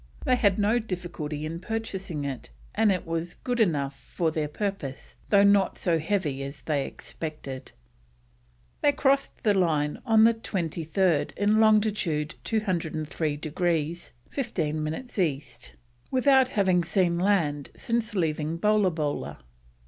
They had no difficulty in purchasing it, and it was good enough for their purpose, though not so heavy as they expected. They crossed the line on the 23rd in longitude 203 degrees 15 minutes East without having seen land since leaving Bolabola.